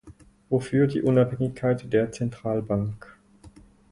Wofür die Unabhängigkeit der Zentralbank?